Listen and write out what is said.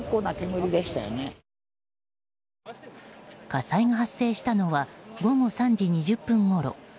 火災が発生したのは午後３時２０分ごろ。